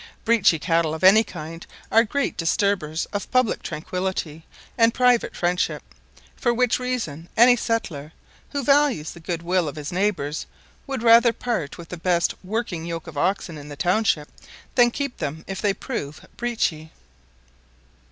Breachy cattle of any kind are great disturbers of public tranquillity and private friendship; for which reason any settler who values the good will of his neighbours would rather part with the best working yoke of oxen in the township, than keep them if they prove breachy.